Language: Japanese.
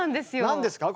何ですか？